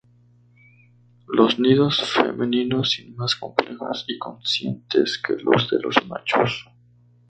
Los nidos femeninos sin más complejos y consistentes que los de los machos.